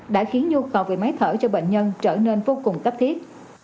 đã khiến nhu cầu về máy thở cho bệnh nhân trở nên vô cùng cấp thiết